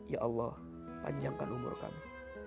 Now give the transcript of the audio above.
ya allah panjangkan umur kami